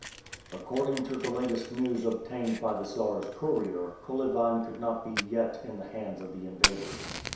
According to the latest news obtained by the Czar's courier, Kolyvan could not be yet in the hands of the invaders.